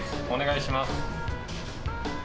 お願いします。